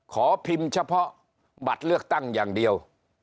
ขอพิมพ์เฉพาะบัตรเลือกตั้งอย่างเดียว